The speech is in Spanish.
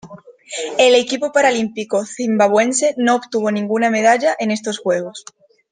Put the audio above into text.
El equipo paralímpico zimbabuense no obtuvo ninguna medalla en estos Juegos.